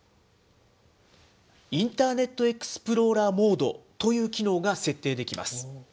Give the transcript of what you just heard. インターネットエクスプローラーモードという機能が設定できます。